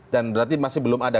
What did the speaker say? dan berarti masih belum ada